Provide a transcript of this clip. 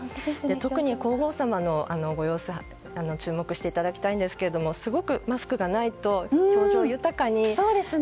特に皇后さまのご様子に注目していただきたいんですがすごくマスクがないと表情豊かに。